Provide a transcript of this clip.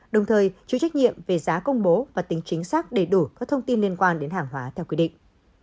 đồng thời chịu trách nhiệm về giá công bố và tính chính xác đầy đủ các thông tin liên quan đến hàng hóa theo quy định